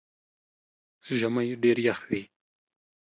ژمئ ډېر يخ وي